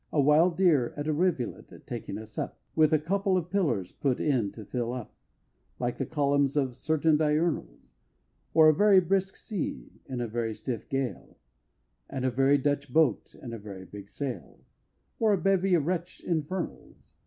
A wild Deer at a rivulet taking a sup, With a couple of Pillars put in to fill up, Like the columns of certain diurnals; Or a very brisk sea, in a very stiff gale, And a very Dutch boat, with a very big sail Or a bevy of Retzsch Infernals.